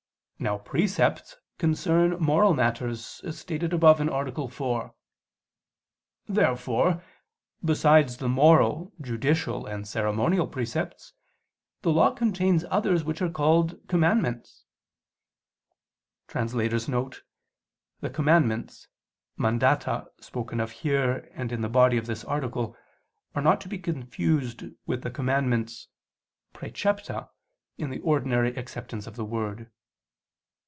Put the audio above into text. Now precepts concern moral matters, as stated above (A. 4). Therefore besides the moral, judicial and ceremonial precepts, the Law contains others which are called "commandments." [*The "commandments" (mandata) spoken of here and in the body of this article are not to be confused with the Commandments (praecepta) in the ordinary acceptance of the word.